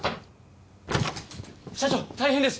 社長大変です！